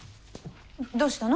どうしたの？